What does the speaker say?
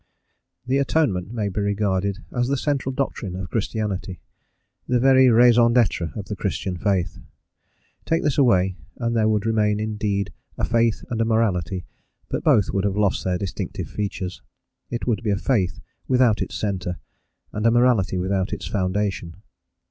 THE Atonement may be regarded as the central doctrine of Christianity, the very raison d'être of the Christian faith. Take this away, and there would remain indeed a faith and a morality, but both would have lost their distinctive features: it would be a faith without its centre, and a morality without its foundation.